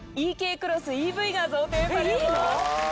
クロスＥＶが贈呈されます。